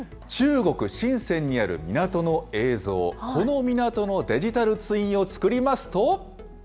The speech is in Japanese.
中国・深せんにある港の映像、この港のデジタルツインを作りますと。